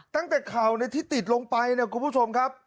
ตั้งแต่เข่าที่ติดลงไปนะคุณผู้ชมครับ